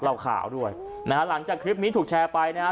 เราขาวด้วยนะฮะหลังจากคลิปนี้ถูกแชร์ไปนะฮะ